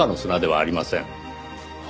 はあ？